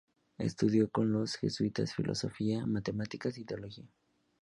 Estudió con los jesuitas filosofía, matemáticas y teología.